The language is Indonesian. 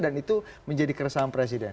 dan itu menjadi keresahan presiden